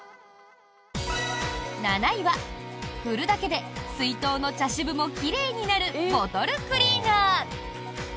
７位は、ふるだけで水筒の茶渋もきれいになるボトルクリーナー。